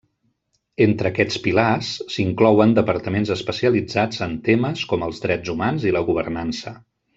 Entre aquests pilars, s'inclouen departaments especialitzats en temes com els drets humans i la governança.